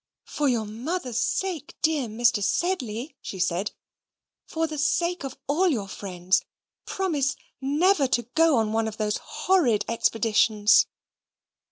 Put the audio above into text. "For your mother's sake, dear Mr. Sedley," she said, "for the sake of all your friends, promise NEVER to go on one of those horrid expeditions."